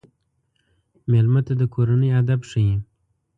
مېلمه ته د کورنۍ ادب ښيي.